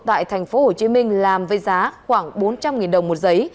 tại tp hồ chí minh làm với giá khoảng bốn trăm linh đồng một giấy